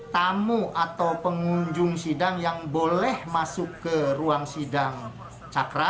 tamu atau pengunjung sidang yang boleh masuk ke ruang sidang cakra